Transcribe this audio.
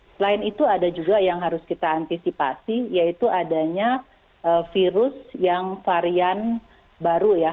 selain itu ada juga yang harus kita antisipasi yaitu adanya virus yang varian baru ya